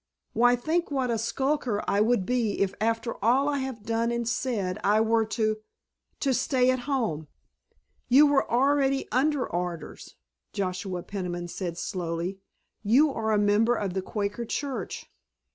Why, think what a skulker I would be if after all I have done and said I were to—to stay at home!" "You were already under orders," Joshua Peniman said slowly. "You are a member of the Quaker Church.